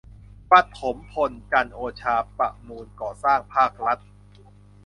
ปฐมพล จันทร์โอชา ประมูลก่อสร้างภาครัฐ